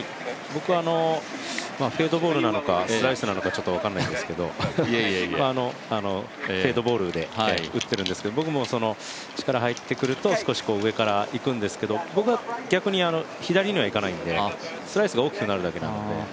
僕はフェードボールなのか、スライスなのか、ちょっと分からないんですがフェードボールで打ってるんですけど僕も力が入ってくると少し上からいくんですけどぼくは逆に、左にはいかないのでスライスが大きくなるだけなので。